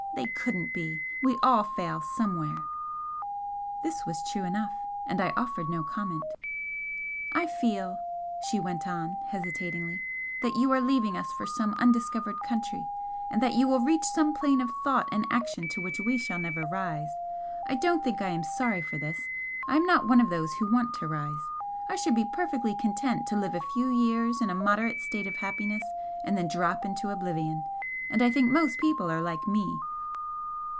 "They couldn't be! We all fail somewhere." This was true enough, and I offered no comment. "I feel," she went on, hesitatingly "that you are leaving us for some undiscovered country and that you will reach some plane of thought and action to which we shall never rise. I don't think I am sorry for this. I am not one of those who want to rise. I should be perfectly content to live a few years in a moderate state of happiness and then drop into oblivion and I think most people are like me."